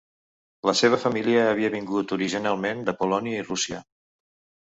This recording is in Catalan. La seva família havia vingut originalment de Polònia i Rússia.